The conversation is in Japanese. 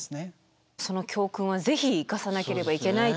その教訓を是非生かさなければいけないと。